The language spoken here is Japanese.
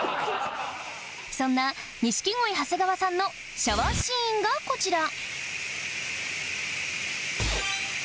そんな錦鯉長谷川さんのシャワーシーンがこちら！